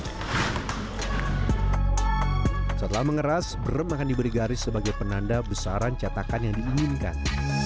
setelah mengeras brem akan diberi garis sebagai penanda besaran catakan yang diinginkan